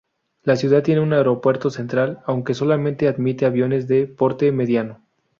La ciudad tiene un aeropuerto central, aunque solamente admite aviones de porte mediano.